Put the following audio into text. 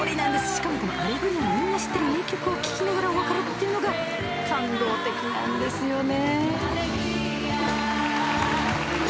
しかもこのアレグリアのみんな知ってる名曲を聴きながらお別れっていうのが感動的なんですよね。